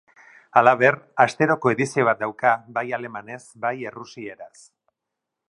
Halaber, asteroko edizio bat dauka bai alemanez bai errusieraz.